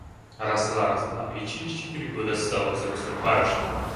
Росла, росла и через четыре года стала взрослой барышней.